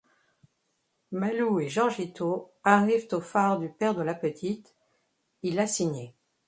Malu et Jorgito arrivent au phare du père de la petite, il a signé.